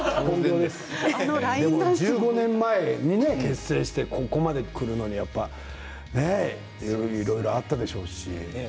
１５年前に結成してここまでくるのは、やっぱりいろいろあったでしょうし。